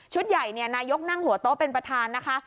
ใหญ่นายกนั่งหัวโต๊ะเป็นประธานนะคะ